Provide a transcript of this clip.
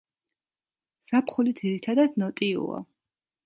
ზაფხული ძირითადად ნოტიოა.